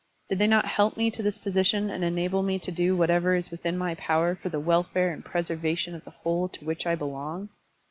Did they not help me to this position and enable me to do whatever is within my power for the wel fare and preservation of the whole to which I belong?